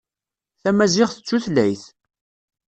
Tamaziɣt d tutlayt.